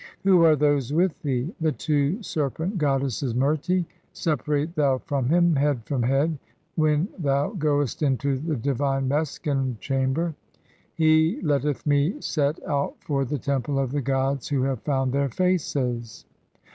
Who are those with thee? "The two serpent goddesses Merti. Separate thou from him, "head from head, when (3) [thou] goest into the divine Mesqen "chamber. He letteth me set out for the temple of the gods "who have found their faces.